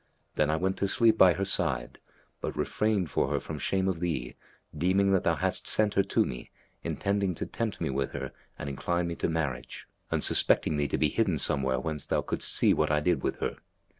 Then I went to sleep by her side, but refrained from her for shame of thee, deeming that thou hadst sent her to me, intending to tempt me with her and incline me to marriage, and suspecting thee to be hidden somewhere whence thou couldst see what I did with her.